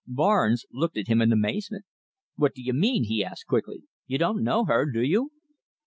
Barnes looked at him in amazement. "What do you mean?" he asked quickly. "You don't know her, do you?"